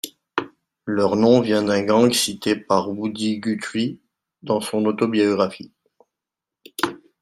Leur nom vient d'un gang cité par Woody Guthrie dans son autobiographie.